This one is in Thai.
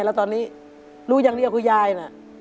แล้วตอนนี้รู้ยังเรียกคุณยายนะ